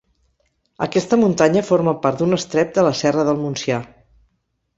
Aquesta muntanya forma part d'un estrep de la Serra del Montsià.